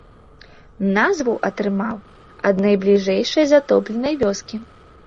Назва атрымаў ад найбліжэйшай затопленай вёскі.